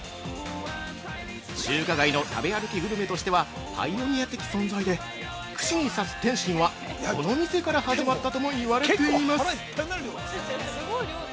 中華街の食べ歩きグルメとしてはパイオニア的存在で、串に刺す点心はこの店から始まったとも言われています。